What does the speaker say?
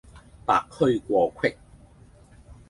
白駒過隙